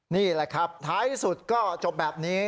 นี่แหละครับท้ายสุดก็จบแบบนี้